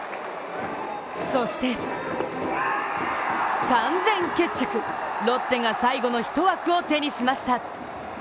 そして完全決着、ロッテが最後の１枠を手にしました。